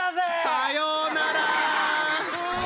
さようなら！